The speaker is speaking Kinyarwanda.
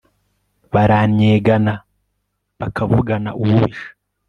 barannyegana, bakavugana ububisha